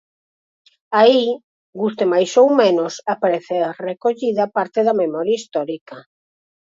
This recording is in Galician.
Aí, guste máis ou menos, aparece recollida parte da memoria histórica.